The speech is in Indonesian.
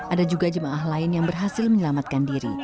ada juga jemaah lain yang berhasil menyelamatkan diri